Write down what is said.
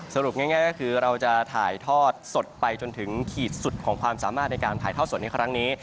ง่ายก็คือเราจะถ่ายทอดสดไปจนถึงขีดสุดของความสามารถในการถ่ายทอดสดในครั้งนี้